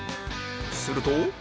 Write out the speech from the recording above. すると